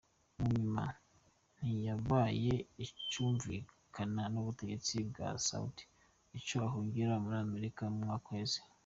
Munyuma ntiyabaye acumvikana n'ubutegetsi bwa Saudi, aca ahungira muri Amerika mu mwaka uheze.